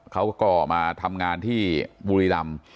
เขาก็มาทำงานที่บุรีรำ